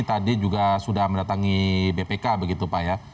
tadi juga sudah mendatangi bpk begitu pak ya